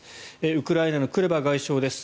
ウクライナのクレバ外相です。